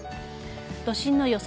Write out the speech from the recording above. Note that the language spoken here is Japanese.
都心の予想